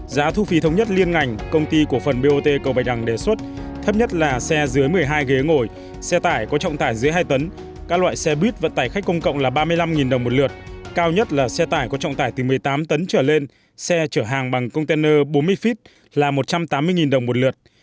giá thu phí thống nhất liên ngành công ty cổ phần bot cầu bạch đằng đề xuất thấp nhất là xe dưới một mươi hai ghế ngồi xe tải có trọng tải dưới hai tấn các loại xe buýt vận tải khách công cộng là ba mươi năm đồng một lượt cao nhất là xe tải có trọng tải từ một mươi tám tấn trở lên xe chở hàng bằng container bốn mươi feet là một trăm tám mươi đồng một lượt